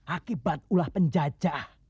akibat ulah penjajah